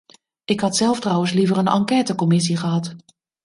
Ik had zelf trouwens liever een enquêtecommissie gehad.